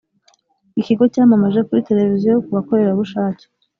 ikigo cyamamaje kuri televiziyo kubakorerabushake.